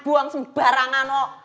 buang sebarangan pak